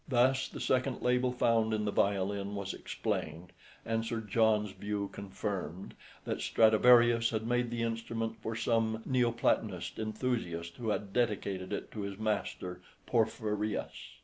Thus the second label found in the violin was explained and Sir John's view confirmed, that Stradivarius had made the instrument for some Neo Platonist enthusiast who had dedicated it to his master Porphyrius.